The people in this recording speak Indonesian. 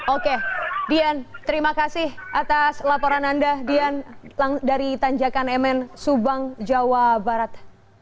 oke dian terima kasih atas laporan anda dian dari tanjakan mn subang jawa barat